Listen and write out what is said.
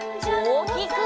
おおきく！